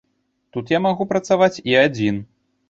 Тут я магу працаваць і адзін.